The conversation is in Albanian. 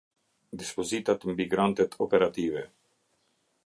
Dispozitat mbi Grantet Operative.